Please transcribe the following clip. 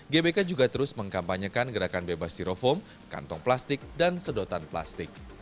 gbk juga terus mengkampanyekan gerakan bebas steroform kantong plastik dan sedotan plastik